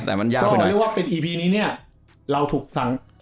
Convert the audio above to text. แต่มันยากไปหน่อยก็เรียกว่าเป็นอีพีนี้เนี้ยเราถูกสั่ง